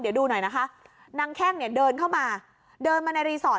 เดี๋ยวดูหน่อยนะคะนางแข้งเนี่ยเดินเข้ามาเดินมาในรีสอร์ท